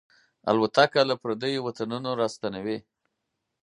الوتکه له پردیو وطنونو راستنوي.